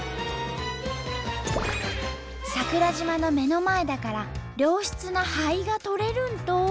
桜島の目の前だから良質な灰がとれるんと！